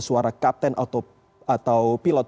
suara kapten atau pilot